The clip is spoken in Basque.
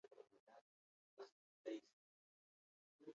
Bere ibilbideaz, euskaraz eta datozen hauteskundeez arituko da.